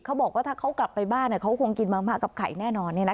เขาบอกว่าถ้าเขากลับไปบ้านเขาคงกินมะม่ากับไข่แน่นอน